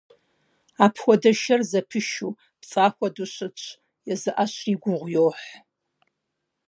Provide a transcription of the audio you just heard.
Апхуэдэ шэр зэпышу, пцӀа хуэдэу щытщ, езы Ӏэщри гугъу йохь.